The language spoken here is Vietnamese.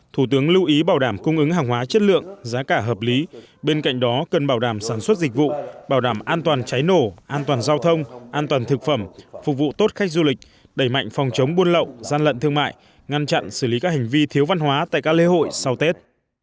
thủ tướng lưu ý bảo đảm cung ứng hàng hóa chất lượng giá cả hợp lý bên cạnh đó cần bảo đảm sản xuất dịch vụ bảo đảm an toàn cháy nổ an toàn giao thông an toàn thực phẩm phục vụ tốt khách du lịch đẩy mạnh phòng chống buôn lậu gian lận thương mại ngăn chặn xử lý các hành vi thiếu văn hóa tại các lễ hội sau tết